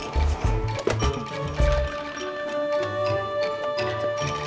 sekarang kalian boleh pergi